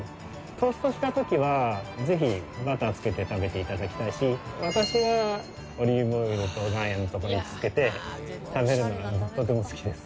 トーストした時はぜひバター付けて食べて頂きたいし私はオリーブオイルと岩塩とかに付けて食べるのがとても好きです。